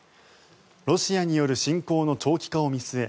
ロシアによる侵攻の長期化を見据え